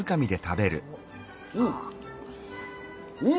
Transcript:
うん。